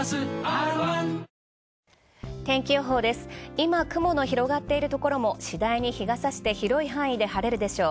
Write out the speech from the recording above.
今雲の広がっている地域もしだいに日が差して広い範囲で晴れるでしょう。